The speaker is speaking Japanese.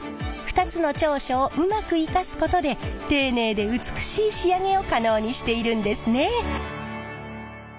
２つの長所をうまく生かすことで丁寧で美しい仕上げを可能にしているんですね。